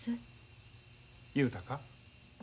雄太か？